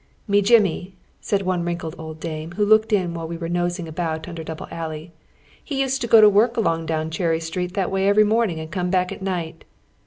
"Mc Jimmy," said one wrinkled old dame, who looked in while we were nosing about nnder Double Alley, " he used to go to his work along down Cherry Street that way every morning and come back at night."